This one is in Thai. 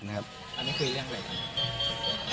คุยเรื่องไรครับ